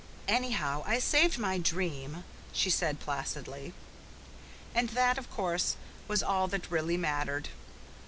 "Anyhow, I saved my dream," she said placidly. And that, of course, was all that really mattered.